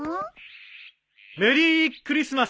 メリークリスマス！